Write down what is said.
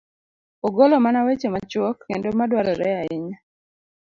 ogolo mana weche machuok kendo ma dwarore ahinya.